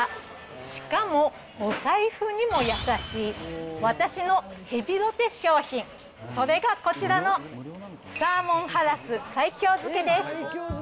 しかもお財布にも優しい、私のヘビロテ商品、それがこちらの、サーモンハラス西京漬です。